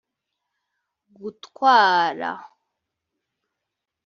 gutwara